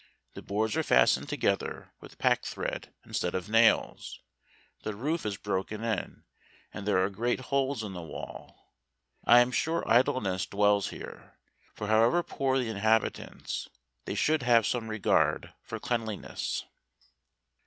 the boards are fastened together with pack¬ thread instead of nails; the roof is broken in, and there are great holes in the wall. I am sure idleness dwells here: for however poor the inhabitants, they should have some regard for cleanliness.